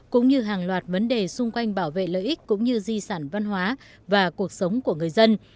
cũng như hàng loạt vấn đề xung quanh bảo vệ lợi ích cũng như di sản văn hóa và cuộc sống của người dân